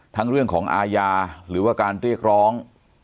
เรื่องของอาญาหรือว่าการเรียกร้อง